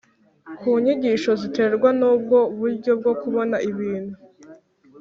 ku nyigisho ziterwa n’ubwo buryo bwo kubona ibintu